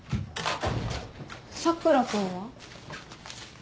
佐倉君は？